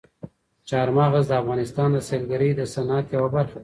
چار مغز د افغانستان د سیلګرۍ د صنعت یوه برخه ده.